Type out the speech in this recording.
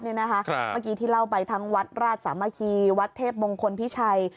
เมื่อกี้ที่เล่าไปทั้งวัดราชสามัคคีวัดเทพมงคลพิชัย